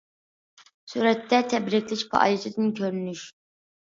سۈرەتتە: تەبرىكلەش پائالىيىتىدىن كۆرۈنۈش.